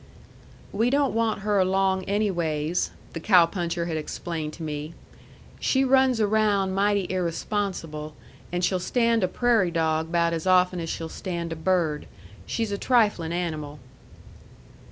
"We don't want her along anyways," the cow puncher had explained to me. "She runs around mighty irresponsible, and she'll stand a prairie dog 'bout as often as she'll stand a bird. She's a triflin' animal."